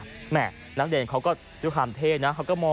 น้ำเด่นเขาก็ดูความเท่นะ